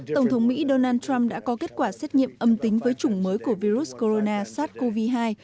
tổng thống mỹ donald trump đã có kết quả xét nghiệm âm tính với chủng mới của virus corona sars cov hai